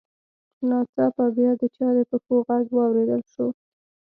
ناڅاپه بیا د چا د پښو غږ واورېدل شو